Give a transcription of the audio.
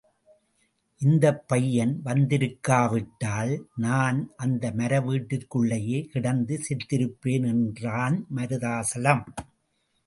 இந்தப் பையன் வந்திருக்காவிட்டால் நான் அந்த மர வீட்டிற்குள்ளேயே கிடந்து செத்திருப்பேன் என்றான் மருதாசலம்.